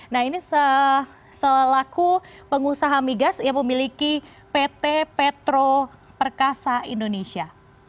nah ini selaku pengusaha migas yang memiliki pt petro perkasa indonesia